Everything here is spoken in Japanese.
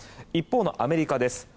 一方のアメリカです。